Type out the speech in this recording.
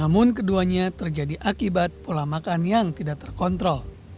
namun keduanya terjadi akibat pola makan yang tidak terkontrol